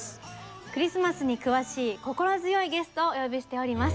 クリスマスに詳しい心強いゲストをお呼びしております。